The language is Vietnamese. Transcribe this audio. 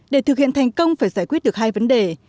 để thực hiện thành công phải giải quyết được hai vấn đề